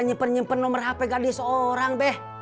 nyimpen nyimpen nomor hp gadis orang deh